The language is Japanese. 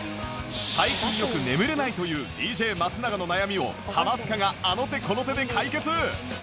最近よく眠れないという ＤＪ 松永の悩みをハマスカがあの手この手で解決